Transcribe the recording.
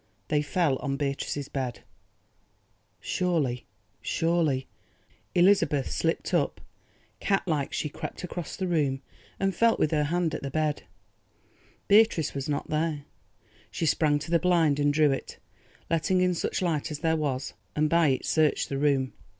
They fell on Beatrice's bed—surely—surely—— Elizabeth slipped up, cat like she crept across the room and felt with her hand at the bed. Beatrice was not there. She sprang to the blind and drew it, letting in such light as there was, and by it searched the room.